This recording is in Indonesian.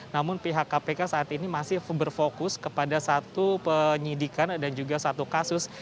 namun pihak kpk saat ini masih berfokus kepada satu penyidikan dan juga satu kasus